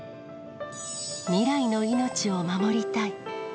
未来の命を守りたい。